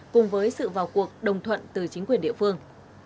cùng với sự vào cuộc đồng thuận từ chính quyền địa phương